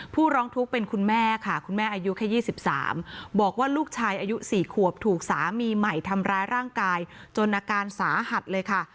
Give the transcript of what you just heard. ร้องทุกข์เป็นคุณแม่ค่ะคุณแม่อายุแค่๒๓บอกว่าลูกชายอายุ๔ขวบถูกสามีใหม่ทำร้ายร่างกายจนอาการสาหัสเลยค่ะ